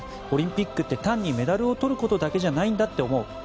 オリンピックって単にメダルを取ることだけじゃないんだって思う。